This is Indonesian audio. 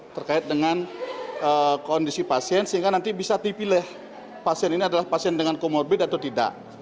terkait dengan kondisi pasien sehingga nanti bisa dipilih pasien ini adalah pasien dengan comorbid atau tidak